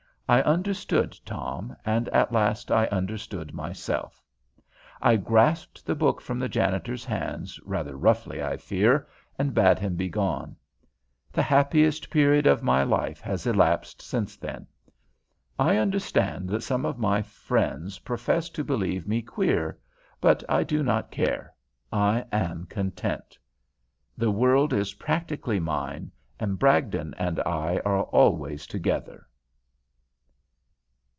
I understood Tom, and at last I understood myself. I grasped the book from the janitor's hands, rather roughly, I fear, and bade him begone. The happiest period of my life has elapsed since then. I understand that some of my friends profess to believe me queer; but I do not care. I am content. The world is practically mine, and Bragdon and I are always together.